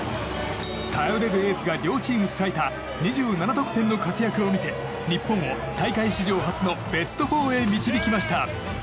頼れるエースが、両チーム最多２７得点の活躍を見せ日本を大会史上初のベスト４へ導きました。